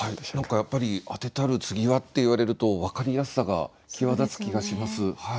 やっぱり「当てたる継は」って言われると分かりやすさが際立つ気がします。